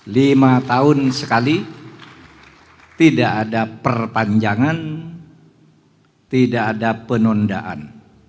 lima tahun sekali tidak ada perpanjangan tidak ada penundaan